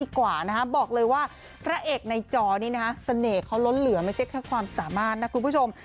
กว่านะฮะบอกเลยว่าพระเอกในจอนี้นะฮะเสน่ห์เขาล้นเหลือไม่ใช่แค่ความสามารถนะคุณผู้ชม